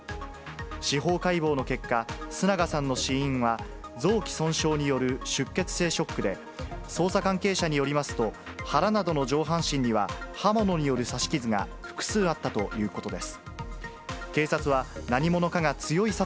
司法解剖の結果、須永さんの死因は、臓器損傷による出血性ショックで、捜査関係者によりますと、腹などの上半身には、刃物による刺し傷が複数あったということです。